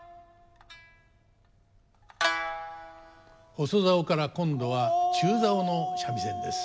細棹から今度は中棹の三味線です。